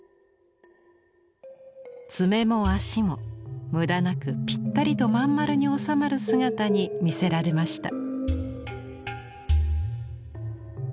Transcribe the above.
爪も足も無駄なくぴったりとまん丸に収まる姿に魅せられました。